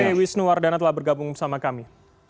ini wisnuwardana telah bergabung bersama kami